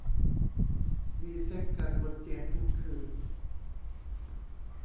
มีเซ็กส์กันบนเตียงทุกคืน